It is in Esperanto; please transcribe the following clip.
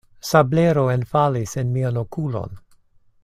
Sablero enfalis en mian okulon.